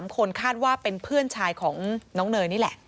คนคาดว่าเป็นเพื่อนชายของน้องเนยนี่แหละ